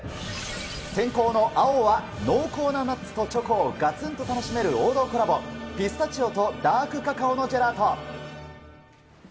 先攻の青は、濃厚なナッツとチョコをがつんと楽しめる王道コラボ、ピスタチオとダークカカオのジェラート。